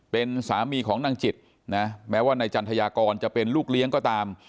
เป็นสามีของนางจิตนะแม้ว่านายจันทยากรจะเป็นลูกเลี้ยงก็ตาม